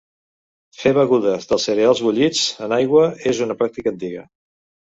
Fer begudes dels cereals bullits en aigua és una pràctica antiga.